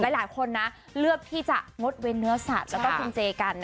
หลายคนเลือกที่จะงดเว่นยอสัตว์และกรุงเจกัน